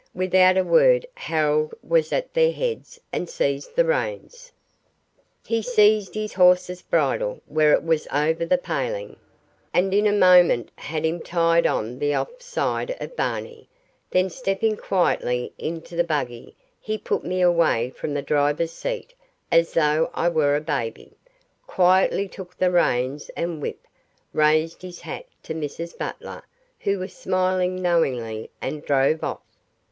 Without a word Harold was at their heads and seized the reins. He seized his horse's bridle, where it was over the paling, and in a moment had him tied on the off side of Barney, then stepping quietly into the buggy he put me away from the driver's seat as though I were a baby, quietly took the reins and whip, raised his hat to Mrs Butler, who was smiling knowingly, and drove off.